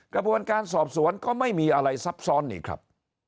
กระบวนการสอบสวนก็ไม่มีอะไรซับซ้อนนี่ครับ